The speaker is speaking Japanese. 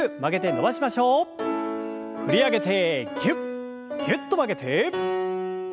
振り上げてぎゅっぎゅっと曲げて。